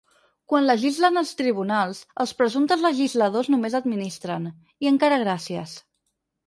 Quan legislen els tribunals, els presumptes legisladors només administren, i encara gràcies.